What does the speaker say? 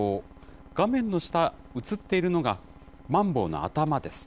画面の下、映っているのがマンボウの頭です。